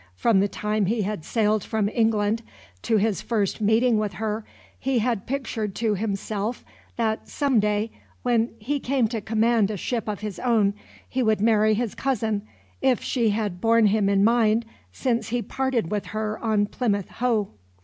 From the time he had sailed from England, to his first meeting with her, he had pictured to himself that some day, when he came to command a ship of his own, he would marry his cousin, if she had borne him in mind since he parted with her on Plymouth Hoe.